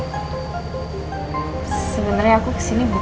tapi aku kesini ini untuk kasih jawaban